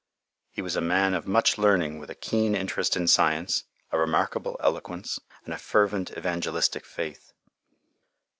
"He was a man of much learning, with a keen interest in science, a remarkable eloquence, and a fervent evangelistic faith."